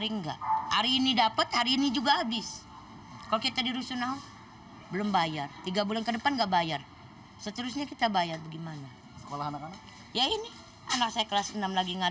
ini ataupun ngontaknya di tempat yang dekat sini